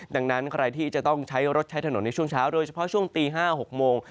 ดังนั้นใครที่จะต้องใช้รถใช้ถนนในช่วงเช้าโดยเฉพาะช่วงตี๕๖โมง